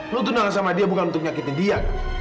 lo tuh nangis sama dia bukan untuk nyakitin dia